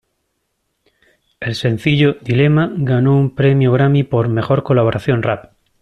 El sencillo "Dilemma" ganó un premio Grammy por "Mejor Colaboración Rap".